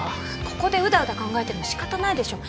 ここでうだうだ考えても仕方ないでしょ。